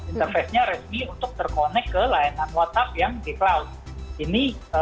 interface nya resmi untuk terkonek ke layanan whatsapp yang di cloud